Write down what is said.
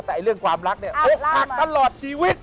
แต่เรื่องความรักเนี่ยอกหักตลอดชีวิต